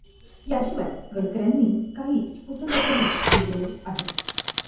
याशिवाय, गडकर् यांनी काही स्फुट लेखही लिहिलेले आहेत.